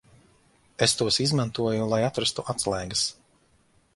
Es tos izmantoju, lai atrastu atslēgas.